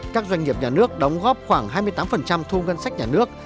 các doanh nghiệp nhà nước đóng góp khoảng hai mươi tám thu ngân sách nhà nước